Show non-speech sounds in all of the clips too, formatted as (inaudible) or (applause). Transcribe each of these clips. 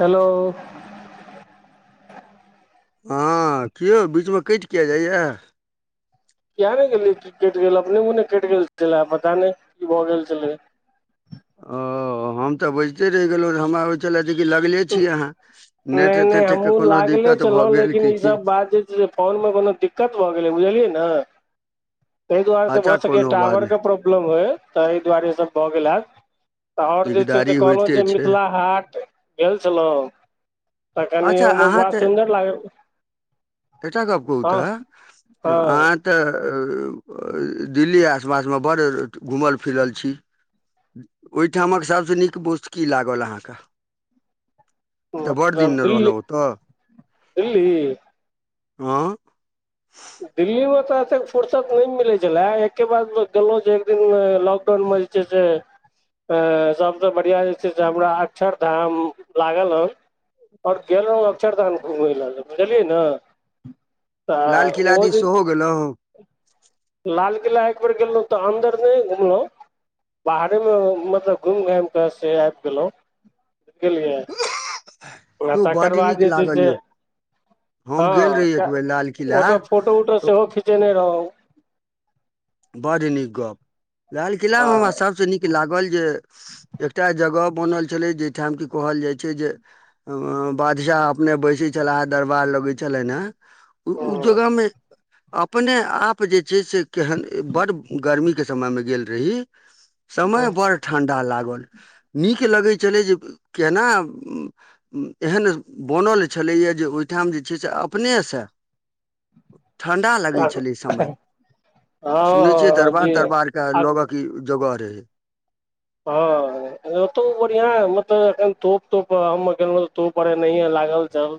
Hello. हँ किौ बीचमे कटि क जाइए किया नहि गेलियै क कटि गेल अपने मुहने कटि गेल छलै पता नहि की भऽ' गेल छलै। ओ हम तऽ 'बैजिते रहि गेलहुँ हमरा चल जेक लगले छीिय अहाँ नेट नहि नहि तेट के हमहूँ कोनो दिक्कत भऽ' गेल की की। कि फोन मे कोनो दिक्कत भऽ' गेलै बुझलियै ने ताहि दुआरे से अच्छा भऽ' सकै कोनो बात टाॉवर नहि के प्रॉब्लम होय ता एहि दुआरे सब भऽ' गेल हत। तऽ' आओर जे छै दिकदारी से कहलहुँ होइते जे छै मिथिला हाट गेल छलहुँ। त कनी अच्छा अहाँ बड़ सुन्दर लागे एटा गप कू हँ तऽ'आ तऽ' दिल्ली आस पास मे बड़ घूमल फिरल छी। ओहिठामक सभसँ नीक वोस्तु की लागल अहाँके। मतलब रहल दिल्ली हो त दिल्ली हँ दिल्लीमे तऽ' एतेक फुरसत नहि मिलै छलै एकके बाद गेलहुँ जे एक दिन लॉकडाउनमे। जी जी अ सबसे बढ़िया जे छै से हमरा अक्षर धाम लाग। ल ह आओर गेल रहहुँ अक्षरधाम घुमय लेल बुझलियै ने। लाल तऽ किला ओ दिस जे सेहो गेलहुँ ह। लाल किला एक बेेर गेलहुँ तऽ अंन्दर नइ घुमलहुं।। बाहरे मे मतलब घुमि, घाम के से आबि गेलोंव, गेलिये। आ यौ तकर बड्ड बाद नीक जे छै लागल से। यौ हम गेल रही एक हँ बेर लाल किला ओतऽ फोटो उटो सेहो खिचेने रहौ। बड़ी नीक गप्प लालकिला मे हमरा सबसे नीक लागल जे- एकटा जगह बनल छलै जाहिठाम कि कहल जाइ छै जे बादशाह अपने बैसे छलाहे दरबार लगे छलनि ह उ -उ जगह मे अपने आप जे छै से केहन बड़ गर्मी के समय मे गेल रही समय बड़ ठंडा लागल। नीक लगैत छलै जे केना एहन बनल छलैए जे ओहिठाम जे छै से अपने सँ ह ठंडा लगै छलै समय हँ सुनै छियै हँ जी दरबार -दरबार के आ लोगो के जगह रहै ह ओतौ बढ़िया मतलब एखन तोप -तोप हम गेलहुं त तोप बड़ नहिय लागल छल!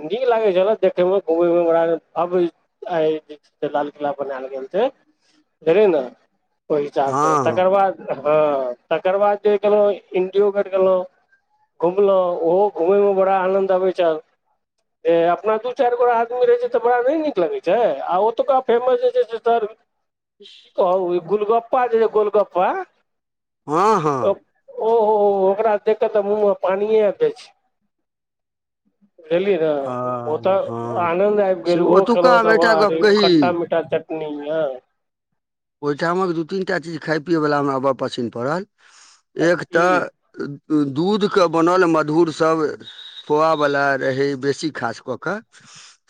नीक लागै छल देखे मे घुम मे बड़ा भव्य से लाल किला बनायल गेल छै बुझलिय ने ओहि हिसाबसँ हँ तकर बाद ह तकर बाद जे गेलेलहु इंडियो गेट गेलहु घुमलहु ओहो घूमेय मे बड़ा आनंद आबैत छल ए अपना दू चार गो आदमी रहे छै तऽ बड़ा ने नीक लगे छै आ ओतुका फेमस जे छै से सर की कहुँ ओ ई गुलगप्पा, जेए गोलगप्पा हँ -हँ ओ हो -हो ओकरा देख कऽ तऽ मुँह मे पानिए आइब जाइ छै। बुझलियै ने हँ ओतऽ हँ आनद आबि से गेल ओहो ओतुका खेलहु हम एकटा गप तऽबाहरे कही खट्टा मीठा चट निया ओहिठामक दू तीन टा चीज खाय पियैवला हमरा अबर पच्छिन पड़ल एक की तऽ दूध के बनल मधुर सभ खोआ वला रहै बेसी खास कऽ कऽ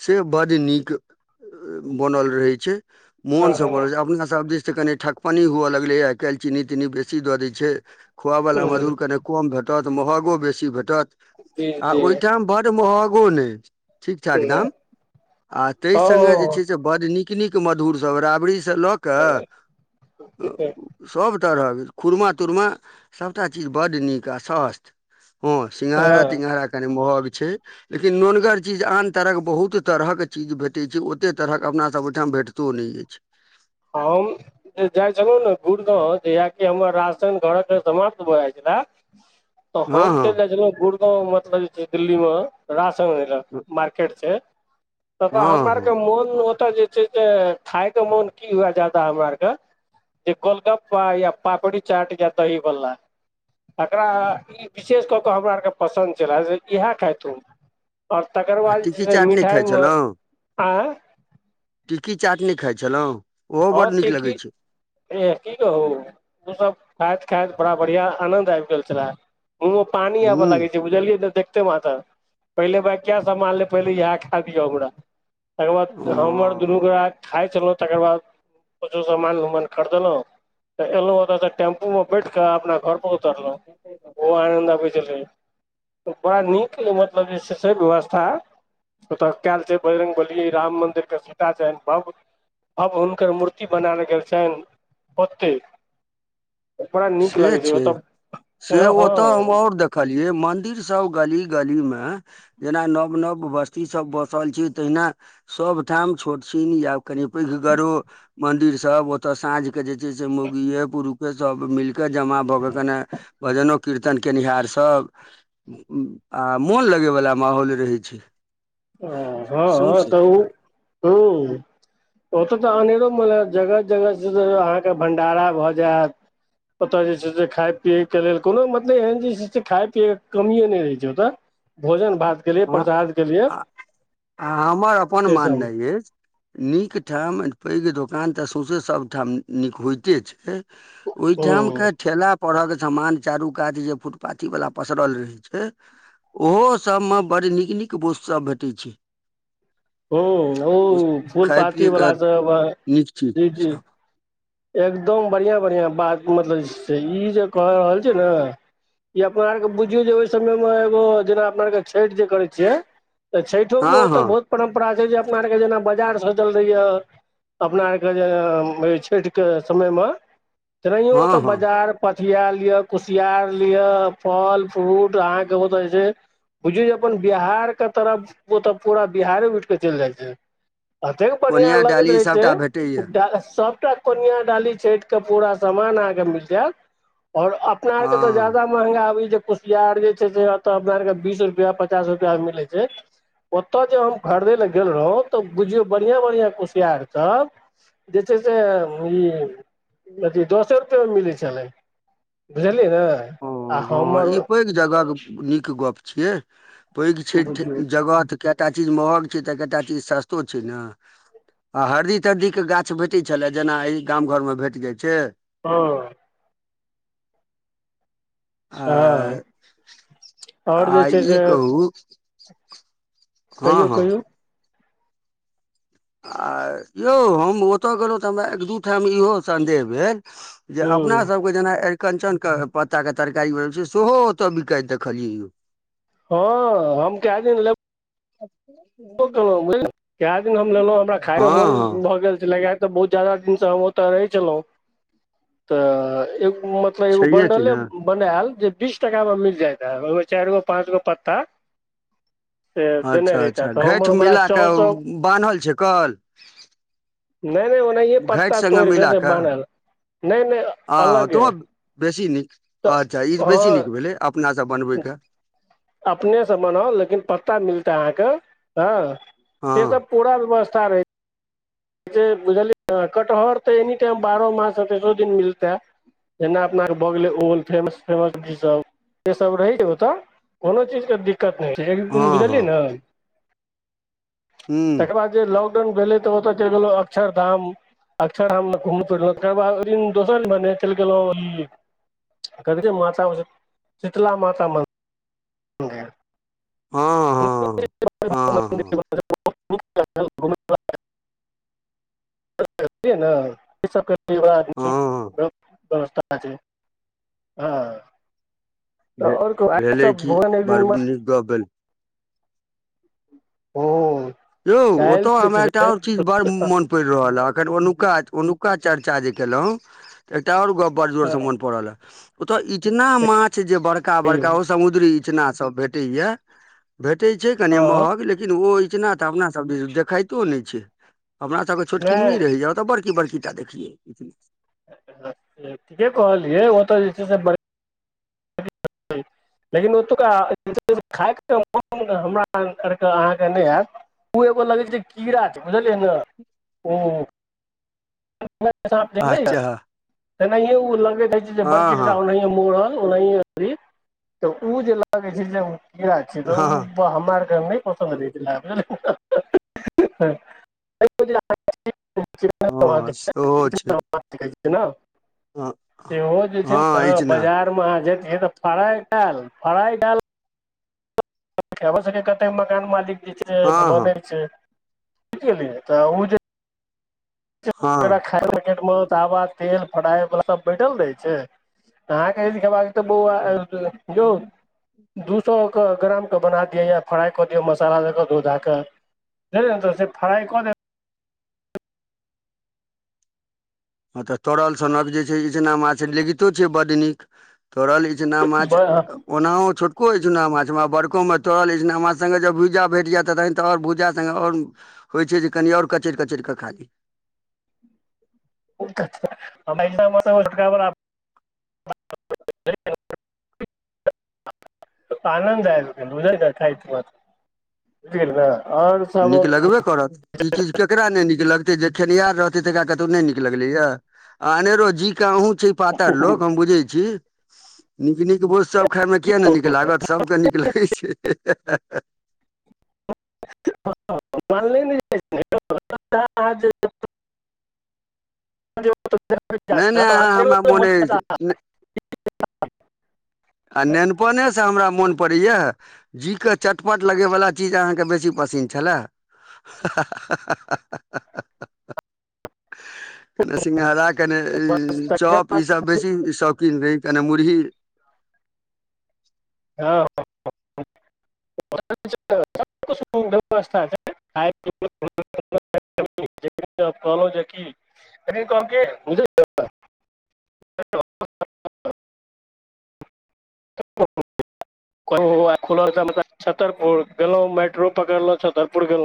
से बड नीक बनल रहै छै, मोन हँ सब बनल छै, अपना सब दिस से कनि ठकपनी हुए लगले आई काइल चीनी तीनी बेसी द देय छै खोआ वला हँ मधुर कने कम भेटत महगो बेसी भेटत जी आ जी ओहिठाम बड महगो नै। ठीक ठाक दाम आ ताहि सङ्गे जे छै। बड़ नीक, नीक मधुर सब राबड़ी से लऽ कऽ सभ तरहक खुरमा, तुरमा सबटा चीज बड्ड नीक आ स्वस्थ! हँ सिंघड़ा, हँ तिघड़ा कनि महंग छै। लेकिन नोनगर चीज आन तरह के बहुत तरह के चीज भेटे छै, ओते तरह के अपना सब ठाम भेट- त ओ नै अइछ। हम जे जाइ छलहुँ ने गुड़गांव जहिया हमर राशन घर के समाप्त भऽ जाइ छला तऽ हँ हम हँ चल जाइ छलऊ मतलब जे दिल्ली मे राशन लैला मार्केट छै। ततऽ हमरा हँ हँ आरके मोन ओतऽ जे छै से खायके मोन की हुए जादा हमरा और के जे गोलगपा, या पापड़ी चाट, या दही, भल्ला। तकरा ई विशेष कऽ कऽ हमरा आरके पसन्द छलाऽ, से इहै कहथुन। और तकर आ बाद जे टिकी छै, चाट नहि मिठाइ खाइ मे आँय? टिक्की चाट नैय खाइ छलौं? हॉं, टिक्की ऐह की कहू? ओसब खाइत खाइत बड़ा बढ़ियां आनंद आबि गेल छलैए। मुंह में पानी आबऽ हूँ लागै छै बुझलियै न? देखते मात्र। पहिले भाय कियाऽ सामान लेब? पहिले इहै खैऽ दिअ हमरा। तकर बाद हमर ओ दुनू गोरा खाइ छलहुँ, तकर बाद किछो सामान उमान खरदु न। तऽ एलौं हैं तऽ टेम्पू मे बैठ के अपना घर पर उतरलौं। (unintelligible) ओहो आनन्द आबैत छलै, बड़ा नीक मतलब जे छै से व्यवस्था ओतऽ कैल छै बजरंगबली, राम मंदिर के सीता छैन भव-भव हुन कर मूर्ति बनैल गेल छाइन ओतै। बड़ा नीक लागै छै ओतऽ, ह-हँ। कहलियै मंदिर सब गली-गली में जेना नव-नव बस्ती सब बसल छी, तहिना सभ ठाम छोट छिन या कनि पैघगरो मंदिर सब, ओतअ साँझ के जे छै से मौगीये, पुरुखे सब मिल कऽ जमा भऽ कऽ कने भजनो कीर्तन केनिहारसभ। आ मुन लगैवला माहौल रहै छै। सौँसे अऽ-हँ-तऽ-ऊ-त-ओ। ओतय तऽ अनेरो मने जगह-जगह सँ अहाँके भंडारा भऽ जैत। ओतऽ जे छै से खाय पियैके लेल कोनो मतलब एहन जे छै से खाय पियैके कमिए नै रहै छै ओतऽ। भोजन-भात केलियै, प्रसाद केलियै। आ हमर अपन माननाइ अइछ। नीक ठाम पैघ दोकान त सौंसे सबठाम नीक होइते छै। ओहि ओ ठाम के ठेला परहक समान चारू कात जे फुटपाथी वला पसरल रहै छै। ओहो सभ में बड़ नीक-नीक वोस्तु सभ भेटै छै। ओ ओ फूल खाय पाती पियऽ वला के सब नीक चीज जी जी सब। एकदम बढ़िआँ-बढ़िआँ बात मतलब जे से ई जे कऽ रहल छै ना। इ अपना आर के बुझियौ जे ओय समय में एगो जेना अपना आर के छैठ जे करै छियै तऽ छैइठो में हँ ओतऽ हँ बहुत परम्परा छै जे अपना आरके जेना बजार सजल रहैया, अपना आरके जे में छैठ के समय में, तेनहाइयों हँ ओतऽ हँ बजार पथिया लिअ, कुसियार लिअ, फल-फ्रूट अहाँके ओतऽ जे छै बुझियौ जे अपन बिहार के तरफ ओतऽ पूरा बिहारे उइठ क चइल जाइ छै। अतेक बढ़ियां कोनिया लगैत डाली रहै छै, सभटा भेटैए डा सब। कोनिया, डाली छैठ के पूरा समान अहाँ के मिल जैत और अपना आर के तऽ हँ ज्यादा महंगा आबी जे कुसियार जे छै से अतऽ अपना आर के बीस रुपया, पचास रुपया में मिलै छै। ओतऽ जे हम खरदय लै गेल रहौं तऽ बुझियौ बढ़ियां-बढ़ियां कुसियार सब जे छै से ई अथी दसे रुपए में मिलै छलै, बुझलियै ने? आ हॅं-हँ हमर ई पैघ जगहक नीक गप छियै, पैघ छैठ बुझियौ जगह तऽ कैऽ टा चीज महग छै तऽ कैऽ टा चीज सस्तो छै न? आ हरदी-तरदी के गाछ भेटै छलए जेना एहि गाम घर में भेट जाइ छै? हां। आ हां और जे छै से ऊ कहियौ-कहियौ। आ यौ हम ओतऽ गेलौं तऽ हमरा एक-दू ठाम इहो सन्देह भेल जे अपना हूँ सबके जेना एरकंचन क पत्ता के तरकारी बनबै छै सेहो ओतऽ बिकाएत देखलियै यो। हां हम काए दिन ले (unintelligible) बो केलौं बुझलिये, काए दिन हम लेलौं हमरा खायके हँ मोन हँ भऽ गेल छैला कियाए तऽ बहुत जादा दिन से हम ओतऽ रहै छेलौं तऽ एक म मे एगो छैहे कि बंडले ने बनाएल जे बीस टका में मिल जाएत हाएब, ओय मे चाएरगो, पांचगो पत्ता से देने रहितै। घाएठ मिलाकऽ उ बान्हल छै कल। नै-नै ओ घाएठ संगे मिला कऽ। नहि नहि आ तुहो अलगे बेसी नीक तऽ अच्छा ई हँ बेसी नीक भेलै। अपना से बनबैके। अपने से बनाउ, लेकिन पत्ता मिलतै अहाँके हां से हँ सब पूरा व्यवस्था रहै छै बुझलिये कटहर तऽ एनी टाइम बारो मास आ तीसो दिन मिलतै। जेना अपना के भऽ गेलै ओल फेमस, फेमस में इ सब से सब रहै छै ओता। कोनो चीजके दिक्कत नै छै एक दिन हँ बुझलियै हँ ने ह्म तकर बाद जे लॉकडाउन भेले तऽ ओता चैल गेलौ अक्षरधाम, अक्षरधाम मे घुम फिरलो तब ओय दिन दोसर मने चैल गेलौ ई (unintelligible) माता होय छै शीतला माता मन (unintelligible) हां। (unintelligible) (unintelligible) आ हँ छै हां। त भे और कहु आर भेलै सब कि भोजन एक बड़ दिन नीक गप भेल हुं। यौ ओतौ हमरा एकटा और चीज बड़ मोन पैड़ रहल अखन ओनुका, ओनुका चर्चा जे केलौ ते एकटा और गप बड़ जोर से हँ मोन पड़ल अय, ओतऽ इचना माछ जे बड़का-बड़का ओ समुद्री इचना सब भेटैया, भेटै छै कनी महग लेकिन ओ इचना त अपना सब दिस देखैतो नै छै, अपना सब के नहि छोटकिनमी रहैया, ओता बड़की-बड़की टा देखिये (unintelligible) ठीके कहलियै ओतऽ जे छै से बड़ (unintelligible) लेकिन ओतुका (unintelligible) खाय के मोन हमरा आरके अहाँके नै हाएत। उ एगो लगै छै कीड़ा छै बुझलियै नै उम्म (unintelligible) सांप जे नै या अच्छा तेनहैये उ लगेत रहे छै जे हँ बड़कीटा हँ ओन्हिये ए मोड़ल ओन्हिये री तऽ उ जे लागे छै जेना कीड़ा छिये तऽ उ हँ बा हमरा आर के नै पसन्द रहै छै (unintelligible) बुझलिये। (unintelligible) (unintelligible) हँ सेहो छै हँ सेहो जे छय ने हँ इचना बजार (unintelligible) जेत तऽ फ्राइ डाल, फ्राइ डाल (unintelligible) भ सकय, कते मकान मालिक जे छै से हँ हँ बनै छै, बुइझ गेलियै? तऽ ओ जे तकर हँ बाद, खाय पकेट मे चावल तेल फराई सब बैठल रहे छै अहाँके जदी खेबाक तऽ बौआ एलजो जो हँ दू सौ क ग्राम क बना दिय या फ्राई कऽ दिअ मसाला द क धो धा क (unintelligible) ओत स फ्राय कऽ देत ह तऽ तोड़ल सनक जे छै इचना माछ लेगितो छै बड नीक तोरल जेना दे माछ--अ- ओनाहो छोटको इचना माछ में आ बड़को मे तड़ल इचना माछ संगे जे भुइजा भेट जायत त तहन तऽ आओर भूजा सगे आओर होइ छै जे कनि आओर कचैर कचैर कऽ खाली (unintelligible) एय सममे त वला (inaudible) (unintelligible) आनन्द आइब गेल (unintelligible) उदारि के खायत जेल ने और नीक लगबे करत ई चीज केकरा नइ नीक लगते जे खेनिहार रहतै तकरा कतौ नइ नीक लगलैये आनेरो जी के अहूँ छी पातर लोक हम बुझै छी नीक नीक भोज सब खाइमे किये नइ नीक लागत सभके नीक लगै छै (unintelligible) नहि नहि अहाँ हमरा मोन (unintelligible) अछि आ नेनपनेसँ हमरा मोन पड़ैया जीे के चटपट लगेयवला चीज अहाँके बेसी पसिन्न छलय ह- ह- ह- ह कने सिंगहारा कने इ- चोप ई सब बेसी शौकीन रही कनी मुरही हँ - (unintelligible) व्यवस्था (unintelligible) (unintelligible) कहलहु जे की कनि कहलके (unintelligible) (inaudible) (unintelligible) छतरपुर गेलो मेट्रो पकड़लों छतरपुर गेलों।